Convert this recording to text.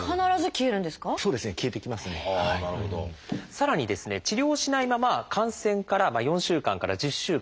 さらに治療をしないまま感染から４週間から１０週間